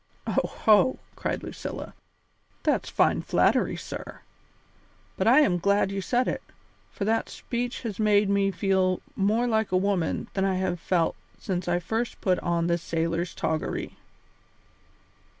"Oho!" cried Lucilla, "that's fine flattery, sir; but I am glad you said it, for that speech has made me feel more like a woman than I have felt since I first put on this sailor's toggery."